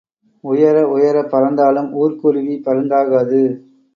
உயர உயர பறந்தாலும் ஊர்க்குருவி பருந்தாகாது